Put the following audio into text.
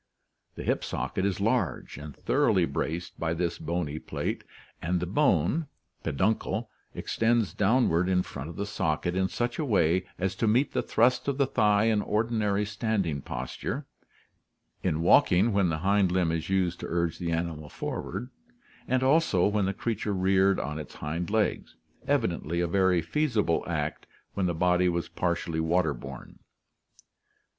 The hip socket is large and thoroughly braced by this bony plate and the bone (peduncle) extends downward in front of the socket in such a way as to meet the thrust of the thigh in ordinary standing posture, in walking when the hind limb is used to urge the animal forward, and also when the creature reared on its hind legs, evidently a very feasible act when the body was partially water borne.